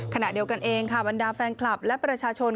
ขณะเดียวกันเองค่ะบรรดาแฟนคลับและประชาชน